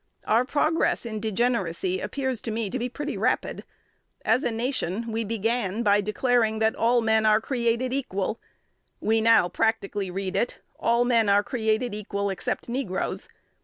Our progress in degeneracy appears to me to be pretty rapid. As a nation, we began by declaring that"all men are created equal." We now practically read it "all men are created equal, except negroes."